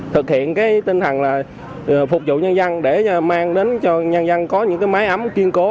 thực hiện tinh thần phục vụ nhân dân để mang đến cho nhân dân có những máy ấm kiên cố